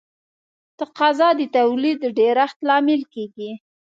تقاضا د تولید د ډېرښت لامل کیږي.